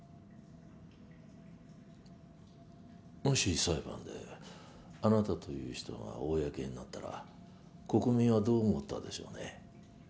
もし裁判であなたという人が公になったら国民はどう思ったでしょうね。